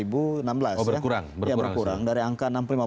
dua ribu enam belas berkurang berkurang dari angka